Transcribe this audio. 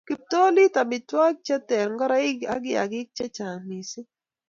Kiptolit, amitwogik che ter, ngoroik ak kiyakik kochang missing